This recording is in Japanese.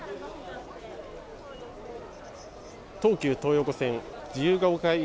東急東横線自由が丘駅